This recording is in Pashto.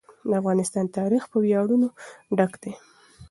د افغانستان تاریخ په ویاړونو ډک دی.